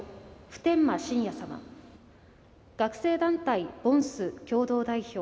普天間真也様学生団体ＶＯＮＳ共同代表